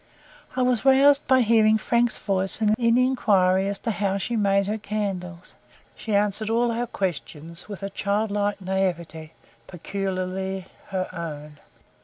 I was roused by hearing Frank's voice in inquiry as to how she made her candles, and she answered all our questions with a child like NAIVETE, peculiarly her own.